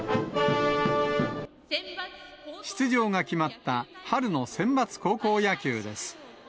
出場が決まった春のセンバツ高校野球です。